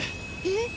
えっ？